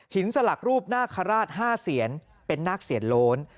หินสลักรูปน่าคล้าราช๕เซียนเป็นหน้าเซียนโล้น